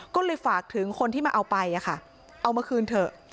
ก็เลยฝากถึงคนที่มาเอาไปเอามาคืนเถอะ